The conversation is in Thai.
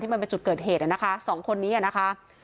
มันเป็นจุดเกิดเหตุนะคะสองคนนี้นะคะ